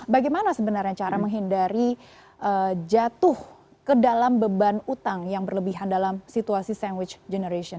bagaimana sebenarnya cara menghindari jatuh ke dalam beban utang yang berlebihan dalam situasi sandwich generation